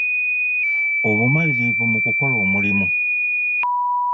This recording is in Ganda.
Obumanyirivu mu kukola omulimu.